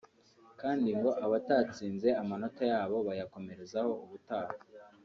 kandi abatatsinze amanota yabo bayakomerezaho ubutaha